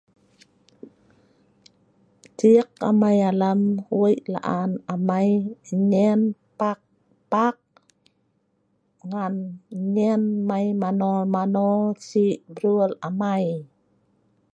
cik amei alam weik la'an amei nyen pak pak ngan nyen mei manol manol sik brul amei